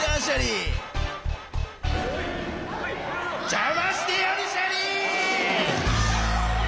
じゃましてやるシャリ！